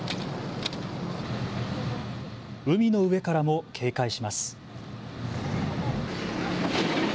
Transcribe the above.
海の上からも警戒します。